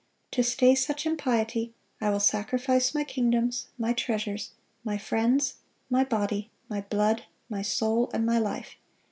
To stay such impiety, I will sacrifice my kingdoms, my treasures, my friends, my body, my blood, my soul, and my life.